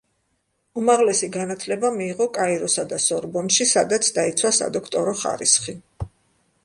უმაღლესი განათლება მიიღო კაიროსა და სორბონში, სადაც დაიცვა სადოქტორო ხარისხი.